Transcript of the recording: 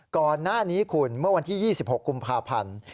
ก่อนหน้านี้คุณเมื่อวันที่๒๖กุมภาพันธ์